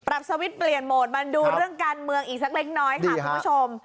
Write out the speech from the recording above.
สวิตช์เปลี่ยนโหมดมาดูเรื่องการเมืองอีกสักเล็กน้อยค่ะคุณผู้ชม